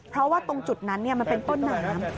เพราะว่าตรงจุดนั้นมันเป็นต้นน้ำ